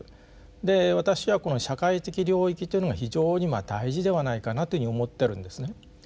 で私はこの社会的領域というのが非常に大事ではないかなというふうに思ってるんですね。